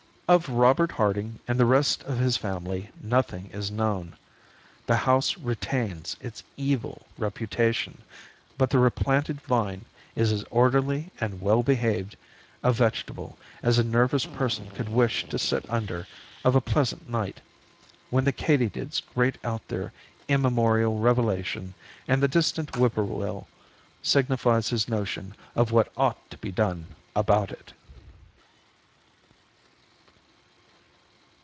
Of Robert Harding and the rest of his family nothing is known. The house retains its evil reputation, but the replanted vine is as orderly and well behaved a vegetable as a nervous person could wish to sit under of a pleasant night, when the katydids grate out their immemorial revelation and the distant whippoorwill signifies his notion of what ought to be done about it.